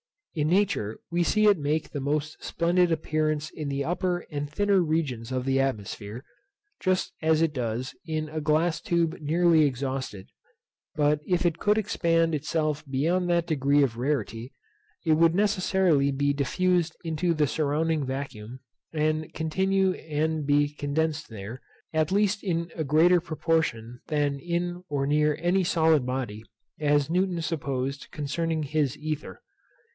In nature we see it make the most splendid appearance in the upper and thinner regions of the atmosphere, just as it does in a glass tube nearly exhausted; but if it could expand itself beyond that degree of rarity, it would necessarily be diffused into the surrounding vacuum, and continue and be condensed there, at least in a greater proportion than in or near any solid body, as Newton supposed concerning his ether.